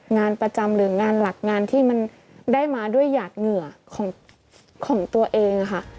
งานประจำหรืองานหลักงานที่มันได้มาด้วยหยาดเหงื่อของตัวเองค่ะ